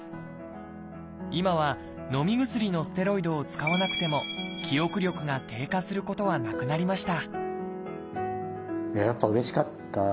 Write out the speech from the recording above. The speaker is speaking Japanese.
今はのみ薬のステロイドを使わなくても記憶力が低下することはなくなりました